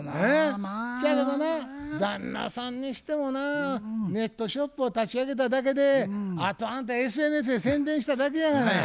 そやけどね旦那さんにしてもなネットショップを立ち上げただけであとはあんたＳＮＳで宣伝しただけやがな。